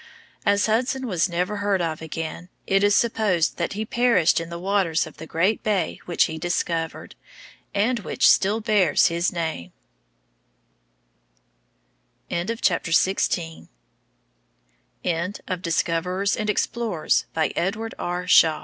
As Hudson was never heard of again, it is supposed that he perished in the waters of the great bay which he discovered, and which still bears his name. End of Project Gutenberg's Discoverers and Explorers, by Edward R.